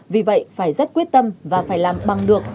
vì vậy phải rất quyết tâm và phải làm bằng được